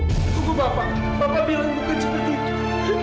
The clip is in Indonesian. tunggu bapak bapak bilang kamu kecepatan itu